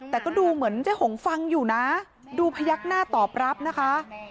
แต่ก็ดูเหมือนเจ๊หงฟังอยู่นะดูพยักหน้าตอบรับนะคะ